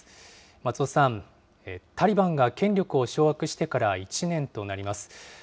松尾さん、タリバンが権力を掌握してから１年となります。